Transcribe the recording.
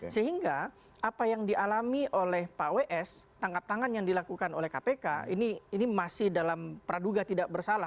sehingga apa yang dialami oleh pak ws tangkap tangan yang dilakukan oleh kpk ini masih dalam praduga tidak bersalah